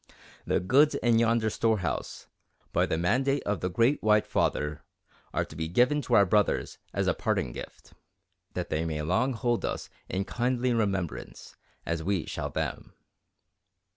The goods in yonder storehouse, by the mandate of the Great White Father, are to be given to our brothers as a parting gift, that they may long hold us in kindly remembrance, as we shall them.